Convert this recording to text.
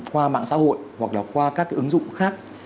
qua mạng xã hội hoặc là qua các ứng dụng khác